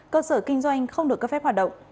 cơ sở kinh doanh không được cấp phép hoạt động